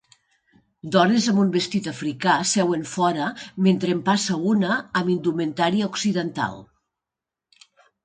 Dones amb un vestit africà seuen fora mentre en passa una amb indumentària occidental